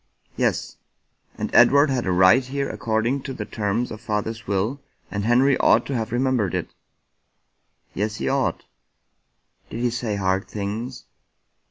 " Yes." " And Edward had a right here according to the terms of father's will, and Henry ought to have remembered it." " Yes, he ought." " Did he say hard things